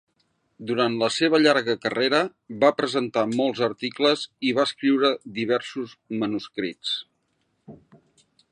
Durant la seva llarga carrera va presentar molts articles i va escriure diversos manuscrits.